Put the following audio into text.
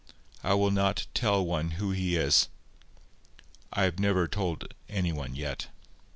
I will not tell one who he is. I have never told any one yet.